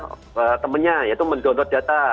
lanjutannya adalah temennya yaitu mendownload data